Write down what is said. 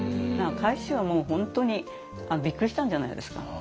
海舟はもう本当にびっくりしたんじゃないですか。